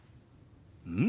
うん！